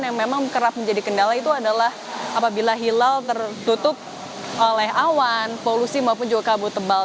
yang memang kerap menjadi kendala itu adalah apabila hilal tertutup oleh awan polusi maupun juga kabut tebal